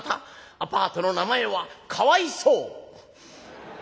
アパートの名前は『かわい荘』。